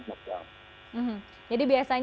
ya karena lagi ada tahun tahun